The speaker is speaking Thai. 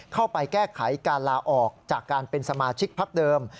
เข้าไปแก้ไขการลาออกจากการเป็นสมาชิกพักเดิม